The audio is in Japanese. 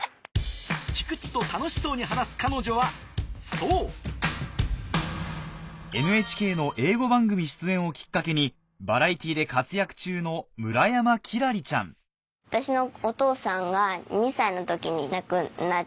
菊池と楽しそうに話す彼女はそうＮＨＫの英語番組出演をきっかけにバラエティーで活躍中の私の。